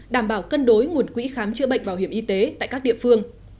đảm bảo cân đối nguồn quỹ khám chữa bệnh bảo hiểm y tế tại các địa phương